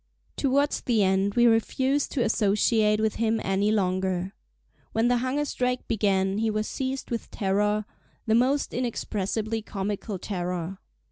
Towards the end we refused to associate with him any longer. When the hunger strike began he was seized with terror—the most inexpressibly comical terror.